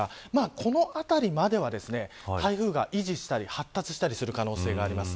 このあたりまでは台風が維持したり発達したりする可能性があります。